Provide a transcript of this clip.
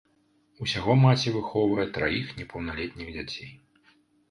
Усяго маці выхоўвае траіх непаўналетніх дзяцей.